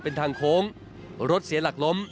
เป็นทางโค้งรถเสียหลักล้ม